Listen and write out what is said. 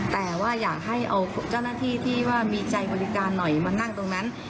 แต่ว่าอยากให้เอาเจ้าหน้าที่ที่ว่ามีใจบริการหน่อยมานั่งตรงนั้น